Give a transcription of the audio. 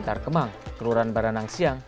di kampung bantar kemang kelurahan baranang siang